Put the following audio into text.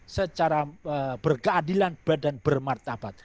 secara berkeadilan dan bermartabat